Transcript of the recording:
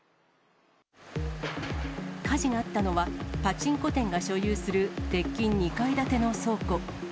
火事があったのは、パチンコ店が所有する鉄筋２階建ての倉庫。